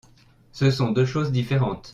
Ce sont deux choses différentes.